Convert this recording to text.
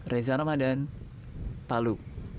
reza ramadan palu